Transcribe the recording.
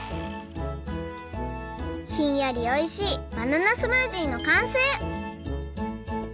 ひんやりおいしいバナナスムージーのかんせい！